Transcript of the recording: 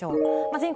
全国。